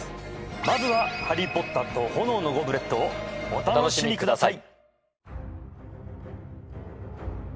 まずは「ハリー・ポッターと炎のゴブレット」をお楽しみください！